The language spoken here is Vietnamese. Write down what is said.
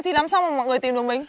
thì làm sao mà mọi người tìm được mình